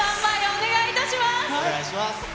お願いします。